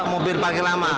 mobil parkir lama